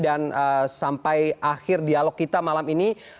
dan sampai akhir dialog kita malam ini